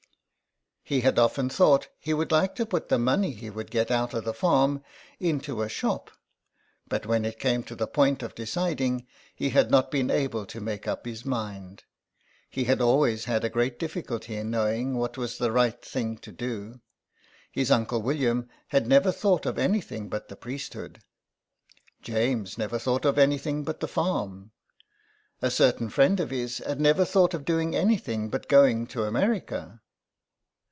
He had often thought he would like to put the money he would get out of the farm into a shop, but when it came to the point of deciding he had not been able to make up his mind. He had always had a great difficulty in knowing what was the right thing to do. His uncle William had never thought of anything but the priesthood. James never thought of anything but the farm. A certain friend of his had never thought of doing anything but going to America.